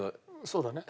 そうだね。